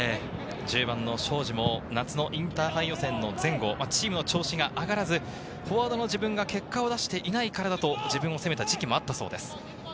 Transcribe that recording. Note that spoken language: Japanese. １０番・庄司も夏のインターハイ予選の前後、チームの調子が上がらず、フォワードの自分が結果を出していないからだと、自分を責めた時期もあったそうです。